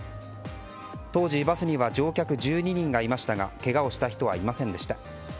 当時バスには乗客１２人がいましたがけがをした人はいませんでした。